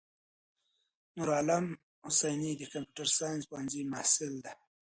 نورعالم حسیني دکمپیوټر ساینس پوهنځی محصل ده.